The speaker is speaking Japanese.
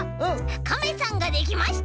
カメさんができました！